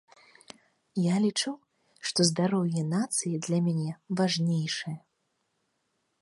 Я лічу, што здароўе нацыі для мяне важнейшае.